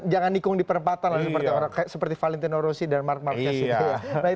jangan nikung di perempatan seperti valentino rossi dan mark marquez itu